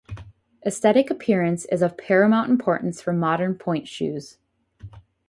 Aesthetic appearance is of paramount importance for modern pointe shoes.